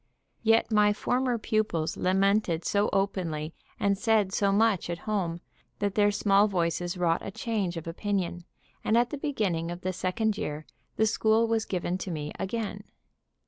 Yet my former pupils lamented so openly and said so much at home, that their small voices wrought a change of opinion, and at the beginning of the second year the school was given to me again.